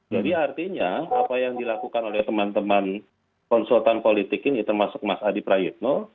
jadi artinya apa yang dilakukan oleh teman teman konsultan politik ini termasuk mas adi prayudno